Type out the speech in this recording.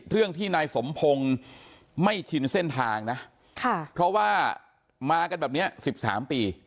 เรื่องที่นายสมพงศ์ไม่ชินเส้นทางนะเพราะว่ามากันแบบนี้๑๓ปี